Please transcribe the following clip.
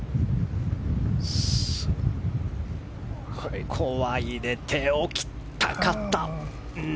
ここは入れておきたかった。